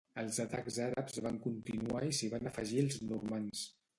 Els atacs àrabs van continuar i s'hi van afegir els normands.